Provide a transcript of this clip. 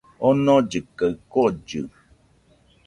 Omollɨ kaɨ kollɨ